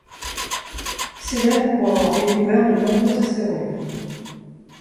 Célèbre pour avoir découvert de nombreux astéroïdes.